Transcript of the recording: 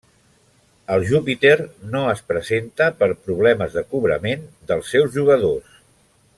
El Júpiter no es presenta per problemes de cobrament dels seus jugadors.